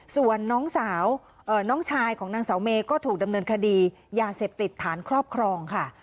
ส่วนน้องสาวน้องชายของนางสาวเมย์ก็ถูกดำเนินคดียาเสพติดฐานครอบครองค่ะ